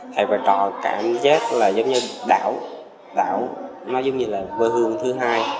thầy trọ cảm giác là giống như đảo đảo nó giống như là vơi hương thứ hai